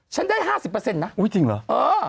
ฉันได้๕๐เปอร์เซ็นต์นะเออจริงเหรอ